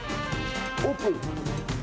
オープン。